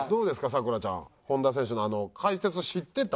咲楽ちゃん本田選手のあの解説知ってた？